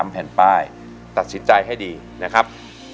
แผ่นป้ายตัดสินใจให้ดีนะครับ